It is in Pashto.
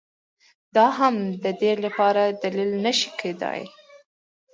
دا هم د دوی لپاره دلیل نه شي کېدای